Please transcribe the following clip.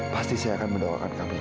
pasti saya akan mendoakan kami